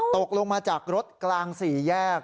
ตกลงมาจากรถกลางสี่แยก